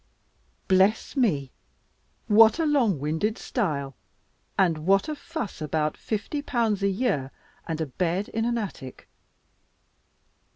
Bless me! What A long winded style, and what a fuss about fifty pounds a year, and a bed in an attic!